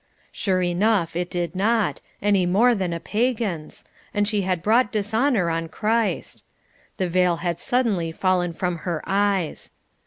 Sure enough it did not, any more than a pagan's, and she had brought dishonour on Christ. The veil had suddenly fallen from her eyes.